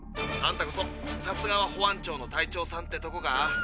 あんたこそさすがは保安庁の隊長さんってとこか？